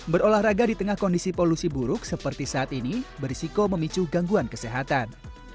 berolahraga di tengah kondisi polusi buruk seperti saat ini berisiko memicu gangguan kesehatan